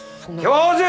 教授！